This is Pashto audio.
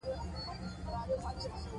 او د خاورې د مینې په زور